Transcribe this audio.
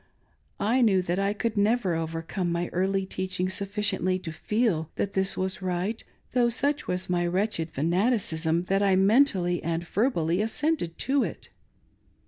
I knew that I never could overcome my early teaching suffi ciently to feel that this was right, though, such was my wretched fanaticism, that I mentally and verbally assented to it.